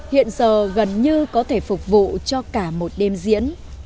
hiện giờ gần như có thể phục vụ cho cả một đêm diễn